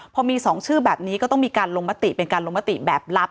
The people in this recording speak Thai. พอมี๒ชื่อแบบนี้ก็ต้องมีการลงมติเป็นการลงมติแบบลับ